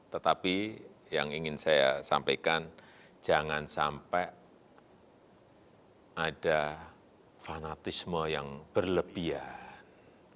tetapi yang ingin saya sampaikan jangan sampai ada fanatisme yang berlebihan